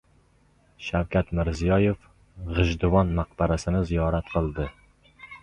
Shavkat Mirziyoyev G‘ijduvoniy maqbarasini ziyorat qildi